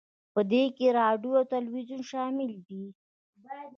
په دې کې راډیو او تلویزیون شامل دي